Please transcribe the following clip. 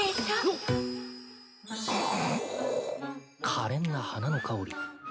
かれんな花の香り